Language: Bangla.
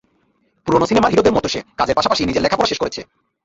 পুরোনো সিনেমার হিরোদের মতো সে, কাজের পাশাপাশি নিজের লেখাপড়া শেষ করেছে।